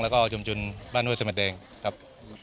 แล้วก็ชุมชุดบ้านเวิศสมัยแดงครับ